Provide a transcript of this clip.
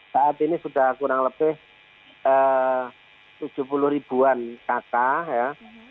saat ini sudah kurang lebih tujuh puluh ribuan kakak ya